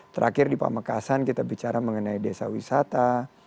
terakhir di pamekasan kita bicara mengenai desa wisata